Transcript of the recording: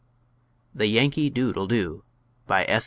THE YANKEE DUDE'LL DO BY S.